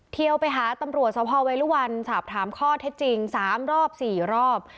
เทียวไปหาตำรวจเซาฮอล์ไวน์รึบอันฉาบถามข้อเท็จจริง๓รอบ๔รอบ